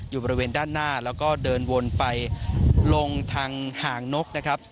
อยู่บริเวณด้านหน้าแล้วก็เดินวนไปลงทางห่างนกนะครับ